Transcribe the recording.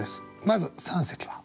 まず三席は？